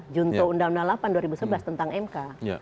junto undang undang delapan dua ribu sebelas tentang mk